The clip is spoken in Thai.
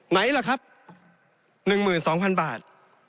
ไหนล่ะครับ๑๒๐๐๐บาท